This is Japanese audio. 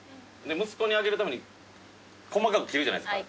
息子にあげるために細かく切るじゃないですか。